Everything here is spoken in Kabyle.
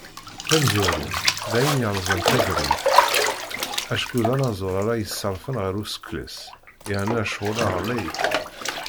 Tamezwarut, d ayen yerzan tadrimt, acku d anaẓur ara iseṛfen ɣef usekles, yerna ccɣel-a ɣlay.